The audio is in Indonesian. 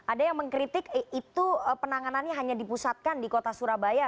ada yang mengkritik itu penanganannya hanya dipusatkan di kota surabaya